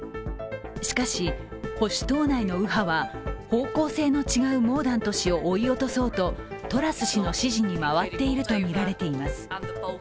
しかし、保守党内の右派は方向性の違うモーダント氏を追い落とそうとトラス氏の支持に回っているといいます。